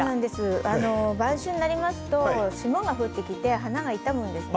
晩秋になりますと霜が降りてきて花が傷むんですね。